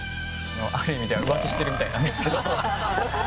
ある意味では浮気してるみたいですけど。